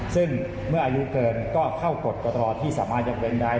ซึ่งเมื่ออายุเกินก็เข้ากฎกฐที่สามารถยกเว้นได้